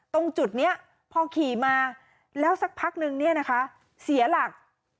ตรงจุดนี้พอขี่มาแล้วสักพักนึงเนี่ยนะคะเสียหลัก